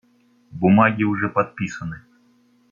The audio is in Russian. Бумаги уже подписаны.